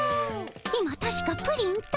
今たしかプリンと。